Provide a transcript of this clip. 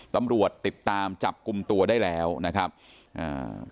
ตำรวจติดตามจับกลุ่มตัวได้แล้วนะครับอ่า